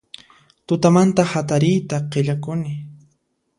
Tutamanta hatariyta qillakuni